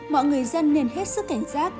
mọi người dân nên hết sức cảnh giác